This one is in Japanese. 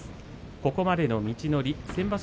ここまでの道のり、先場所